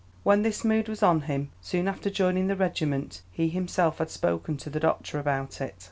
When this mood was on him, soon after joining the regiment, he himself had spoken to the doctor about it.